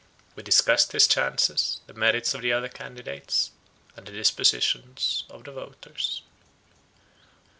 We discussed his chances, the merits of the other candidates, and the dispositions of the voters.